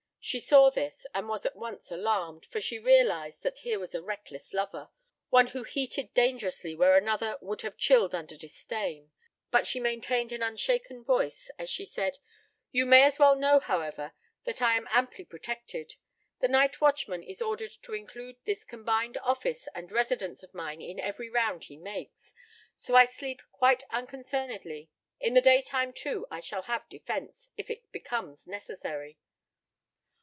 She saw this, and was at once alarmed, for she realized that here was a reckless lover one who heated dangerously where another would have chilled under disdain; but she maintained an unshaken voice, as she said: "You may as well know, however, that I am amply protected. The night watchman is ordered to include this combined office and residence of mine in every round he makes. So I sleep quite unconcernedly. In the daytime, too, I shall have defense, if it becomes necessary."